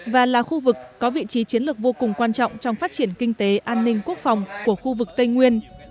và là khu vực có vị trí chiến lược vô cùng quan trọng trong phát triển kinh tế an ninh quốc phòng của khu vực tây nguyên